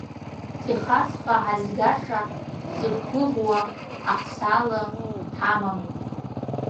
Техасҟа ҳазгаша ҳзықәгәыӷуа ахсаала ҳамам.